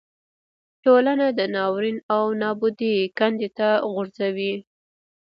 ټولنه د ناورین او نابودۍ کندې ته غورځوي.